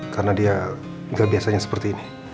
karena dia gak biasanya seperti ini